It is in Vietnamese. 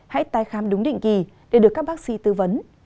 hãy tái khám đúng định kỳ để được các bác sĩ tư vấn